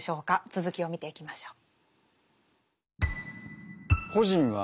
続きを見ていきましょう。